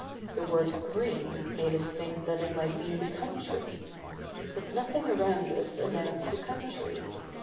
The word "green" made us think that it might be in the country. But nothing around us announced the country.